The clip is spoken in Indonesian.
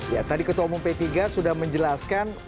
ya tadi ketua umum p tiga sudah menjelaskan